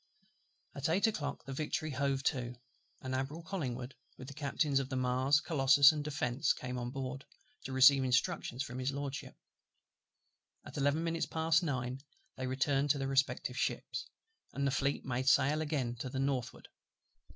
At eight o'clock the Victory hove to; and Admiral COLLINGWOOD, with the Captains of the Mars, Colossus, and Defence, came on board, to receive instructions from His LORDSHIP; at eleven minutes past nine they returned to their respective ships, and the Fleet made sail again to the northward.